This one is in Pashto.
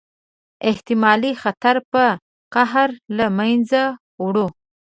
احتمالي خطر په قهر له منځه ووړ.